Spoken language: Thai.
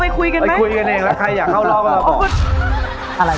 ไปคุยกันไหม